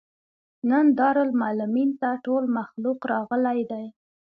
نن دارالمعلمین ته ټول مخلوق راغلى دی.